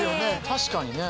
確かにね。